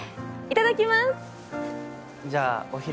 いただきます！